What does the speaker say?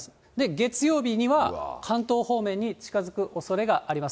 月曜日には、関東方面に近づくおそれがあります。